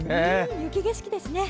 雪景色ですね。